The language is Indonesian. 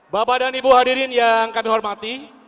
bapak dan ibu hadirin yang kami hormati